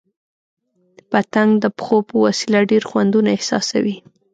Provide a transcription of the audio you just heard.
پتنګ د پښو په وسیله ډېر خوندونه احساسوي.